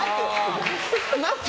待って。